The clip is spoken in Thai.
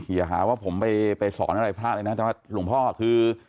อย่าหาว่าผมไปไปสอนอะไรพลาดอะไรน่ะจ๋าพระหลุมพ่อคือ